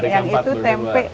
yang itu tempe